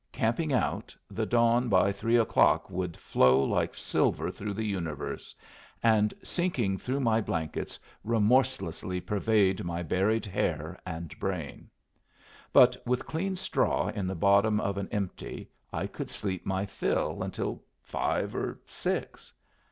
Camping out, the dawn by three o'clock would flow like silver through the universe, and, sinking through my blankets, remorselessly pervade my buried hair and brain. But with clean straw in the bottom of an empty, I could sleep my fill until five or six.